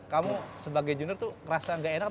kamu sebagai junior tuh ngerasa gak enak